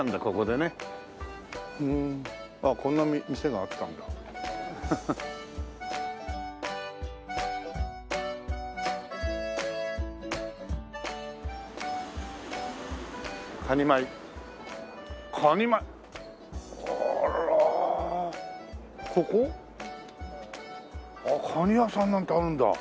あっカニ屋さんなんてあるんだ。